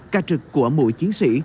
cả trực của mỗi chiến